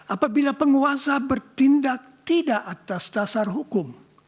apabila penguasa bertindak tidak atas dasar hukum